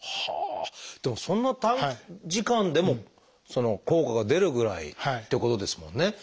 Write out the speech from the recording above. でもそんな短時間でも効果が出るぐらいってことですもんね。